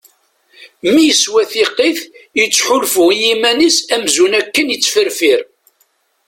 Mi yeswa tiqit yettḥulfu i yiman-is amzun akken yettferfir.